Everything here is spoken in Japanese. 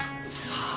さあ。